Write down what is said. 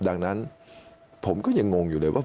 ดังนั้นผมก็ยังงงอยู่เลยว่า